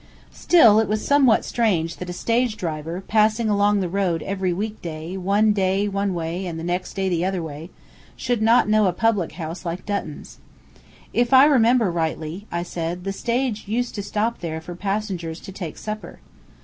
Still, it was somewhat strange that a stage driver, passing along the road every week day, one day one way, and the next the other way, should not know a public house like Dutton's. "If I remember rightly," I said, "the stage used to stop there for the passengers to take supper."